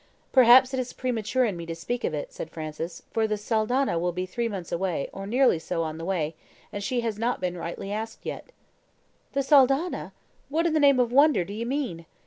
"Perhaps it is premature in me to speak of it," said Francis, "for the Saldanha will be three months, or nearly so, on the way, and she has not been rightly asked yet." "The Saldanha! What in the name of wonder do you mean?"